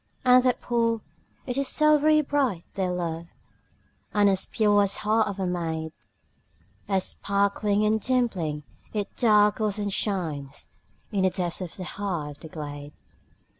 And the pool, it is silvery bright, dear love, And as pure as the heart of a maid, As sparkling and dimpling, it darkles and shines In the depths of the heart of the glade.